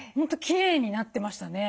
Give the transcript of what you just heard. きれいになってましたね。